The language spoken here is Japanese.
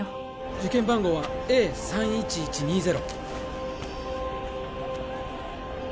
受験番号はＡ３１１２０